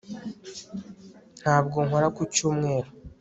Ntabwo nkora ku cyumweru